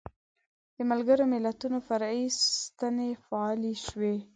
د ملګرو ملتونو فرعي ستنې فعالې شوې.